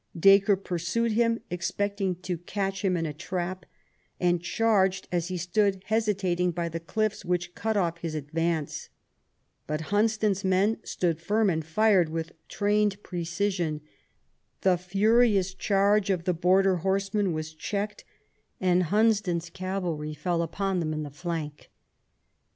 Dacre pursued him, expecting to catch him in a trap, and charged as he stood hesitating by the cliffs, which cut off his advance. But Hunsdon's men stood firm, and fired with trained precision. The furious charge of the border horsemen was checked, and Hunsdon's cavalry fell upon them in the flank.